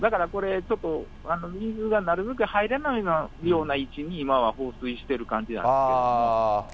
ちょっと水がなるべく入らないような位置に今は放水してる感じなんですけれども。